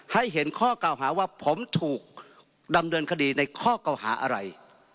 ให้เห็นข้อเก่าหาว่าผมถูกดำเนินคดีในข้อเก่าหาอะไร